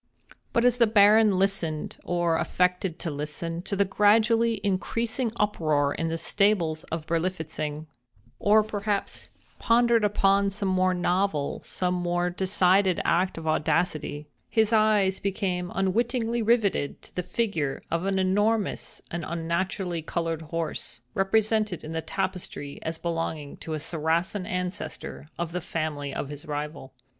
But as the Baron listened, or affected to listen, to the gradually increasing uproar in the stables of Berlifitzing—or perhaps pondered upon some more novel, some more decided act of audacity—his eyes became unwittingly rivetted to the figure of an enormous, and unnaturally colored horse, represented in the tapestry as belonging to a Saracen ancestor of the family of his rival.